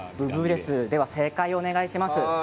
正解をお願いします。